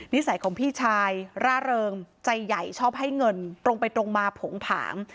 นิสัยของพี่ชายร่าเริงใจใหญ่ชอบให้เงินตรงไปตรงมาผงผาง